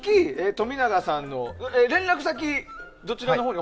冨永さんの連絡先どちらのほうに？